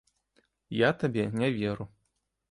Я табе не веру.